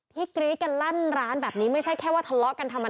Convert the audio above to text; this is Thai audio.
กรี๊ดกันลั่นร้านแบบนี้ไม่ใช่แค่ว่าทะเลาะกันธรรมดา